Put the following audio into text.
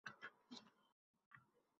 Va ba’zi shoirlar qalamga.